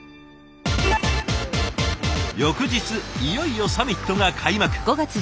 翌日いよいよサミットが開幕。